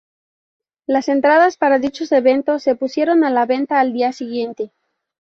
Las entradas para dichos eventos se pusieron a la venta al día siguiente.